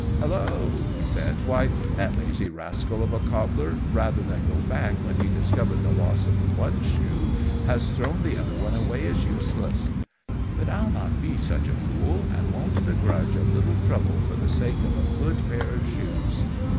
"Hallo!" he said; "why, that lazy rascal of a cobbler, rather than go back when he discovered the loss of the one shoe, has thrown the other away as useless; but I'll not be such a fool, and won't begrudge a little trouble for the sake of a good pair of shoes."